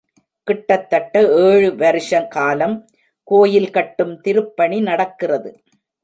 கிட்டத்தட்ட ஏழு வருஷகாலம் கோயில் கட்டும் திருப்பணி நடக்கிறது.